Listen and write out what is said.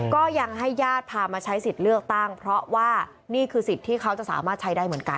ก็ยังให้ญาติพามาใช้สิทธิ์เลือกตั้งเพราะว่านี่คือสิทธิ์ที่เขาจะสามารถใช้ได้เหมือนกัน